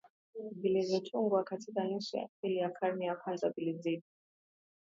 vilivyotungwa katika nusu ya pili ya karne ya kwanza vilizidi